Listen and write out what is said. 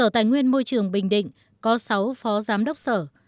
bên môi trường bình định có sáu phó giám đốc sở